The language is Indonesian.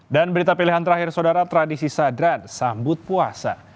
dan berita pilihan terakhir saudara tradisi sadran sambut puasa